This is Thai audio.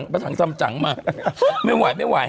กระถังซำจังมาไม่ไหวไม่ไหว